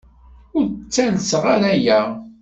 Ur d-ttalseɣ ara aya.